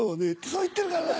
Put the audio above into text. そう言ってるからな。